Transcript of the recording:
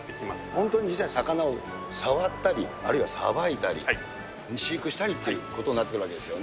本当に魚を触ったり、あるいはさばいたり、飼育したりするということがあるわけですよね。